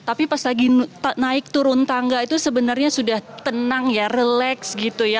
tapi pas lagi naik turun tangga itu sebenarnya sudah tenang ya relax gitu ya